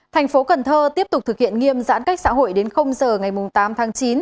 tp cn tiếp tục thực hiện nghiêm giãn cách xã hội đến giờ ngày tám tháng chín